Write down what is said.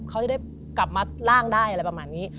เขาจะได้กลับมาร่างได้อะไรประมาณนี้